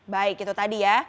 baik itu tadi ya